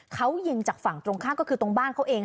เขายิงจากฝั่งตรงข้ามก็คือตรงบ้านเขาเอง